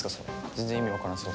全然意味分からんっすわ。